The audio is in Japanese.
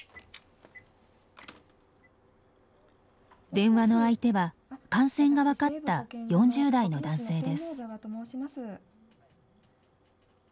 電話の相手は感染が分かった４０代の男性です。